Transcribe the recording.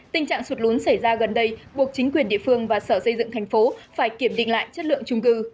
tình trạng sụt lún xảy ra gần đây buộc chính quyền địa phương và sở xây dựng thành phố phải kiểm định lại chất lượng trung cư